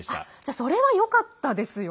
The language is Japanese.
それはよかったですよね。